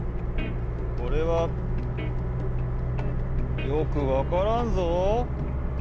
これはよくわからんぞ。